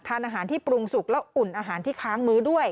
ทานอาหารที่ปรุงสุกแล้วอุ่นอาหารที่ค้างมื้อด้วย